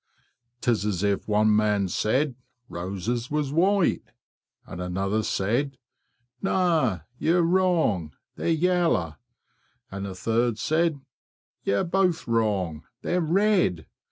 'Tis as if one man said roses was white; and another said, ' No, you're wrong, they're yaller'; and a third said, 'Y'are both wrong, they're red.